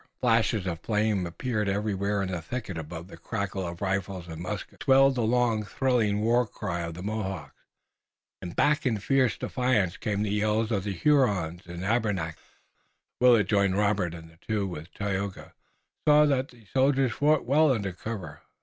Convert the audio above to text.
Flashes of flame appeared everywhere in the thicket. Above the crackle of rifles and muskets swelled the long thrilling war cry of the Mohawks, and back in fierce defiance came the yells of the Hurons and Abenakis. Willet joined Robert and the two, with Tayoga, saw that the soldiers fought well under cover.